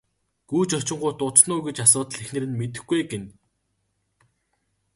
Гүйж очингуут удсан уу гэж асуутал эхнэр нь мэдэхгүй ээ гэнэ.